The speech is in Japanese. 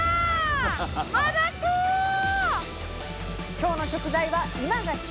今日の食材は今が旬！